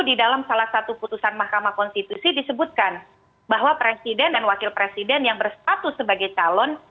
di dalam salah satu putusan mahkamah konstitusi disebutkan bahwa presiden dan wakil presiden yang berstatus sebagai calon